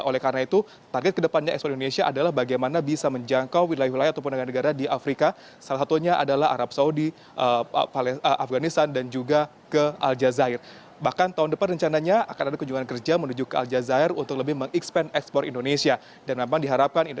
oleh karena itu target ke depannya ekspor indonesia adalah bagaimana bisa menjangkau wilayah wilayah indonesia